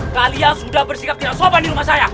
kalian sudah bersikap tidak sopan di rumah saya